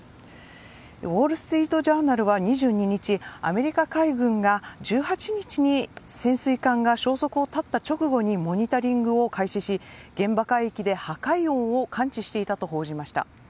ウォール・ストリート・ジャーナルは２２日アメリカ海軍が１８日に潜水艦が消息を絶った直後にモニタリングを開始し現場海域で破壊音を感知していたと報じました。